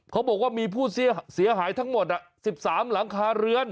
เขาบอกว่ามีผู้เสียหายทั้งหมด๑๓หลังคาเรือน